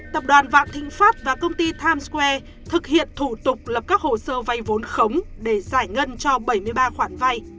tập đoàn vạn thịnh pháp và công ty times square thực hiện thủ tục lập các hồ sơ vay vốn khống để giải ngân cho bảy mươi ba khoản vay